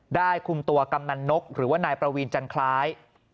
คุมตัวกำนันนกหรือว่านายประวีนจันทราย